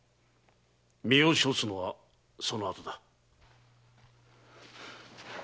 身を処すのはその後だ。